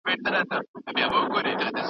، پښتو لنډۍ !